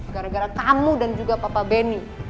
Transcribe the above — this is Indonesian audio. gara gara tamu dan juga papa benny